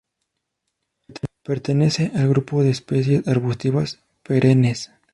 Pertenece al grupo de especies arbustivas perennes.